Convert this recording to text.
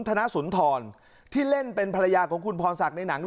สำหรับการแสดงความเสียใจกับการจากไปของคุณพรศักดิ์สังแสงนะฮะ